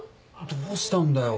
どうしたんだよ？